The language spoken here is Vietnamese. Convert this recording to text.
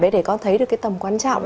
để con thấy được cái tầm quan trọng